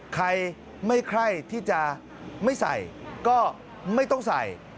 ใครไม่ใครที่จะไม่ใส่ก็ไม่ต้องใส่